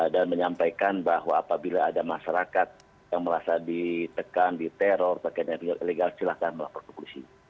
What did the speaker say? dan menyampaikan bahwa apabila ada masyarakat yang merasa ditekan diteror bagiannya pinjol ilegal silahkan melapor ke polisi